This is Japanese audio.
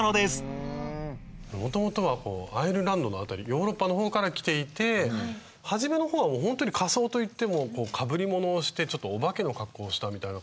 もともとはアイルランドの辺りヨーロッパの方から来ていて初めの方はほんとに仮装といってもかぶり物をしてちょっとおばけの格好をしたみたいな感じなんですよね。